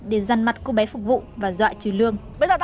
để răn mặt cô bé phục vụ và dọa trừ lương